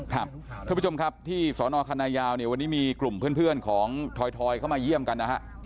ท่านผู้ชมครับที่สนคณะยาวเนี่ยวันนี้มีกลุ่มเพื่อนของทอยเข้ามาเยี่ยมกันนะฮะ